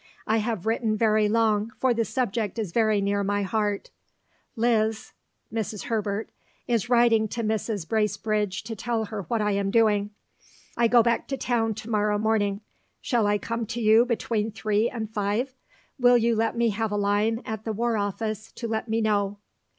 I have written very long, for the subject is very near my heart. Liz [Mrs. Herbert] is writing to Mrs. Bracebridge to tell her what I am doing. I go back to town to morrow morning. Shall I come to you between 3 and 5? Will you let me have a line at the War Office to let me know?